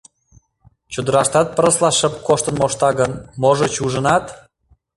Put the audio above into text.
Чодыраштат пырысла шып коштын мошта гын, можыч, ужынат...